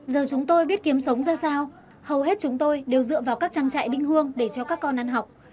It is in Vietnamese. giờ chúng tôi biết kiếm sống ra sao hầu hết chúng tôi đều dựa vào các trang trại định hương để cho các con ăn học